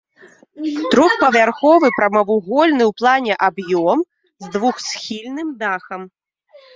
Трохпавярховы прамавугольны ў плане аб'ём з двухсхільным дахам.